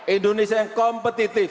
indonesia yang kompetitif